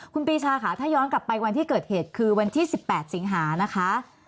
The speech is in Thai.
คุณปีชาค่ะถ้าย้อนกลับไปวันที่เกิดเหตุคือวันที่๑๘สิงหานะคะ